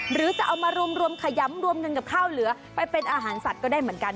หรือจะเอามารวมขยำรวมเงินกับข้าวเหลือไปเป็นอาหารสัตว์ก็ได้เหมือนกัน